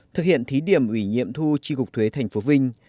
thực hiện thí điểm ủy nhiệm thu tri cục thuế thành phố vinh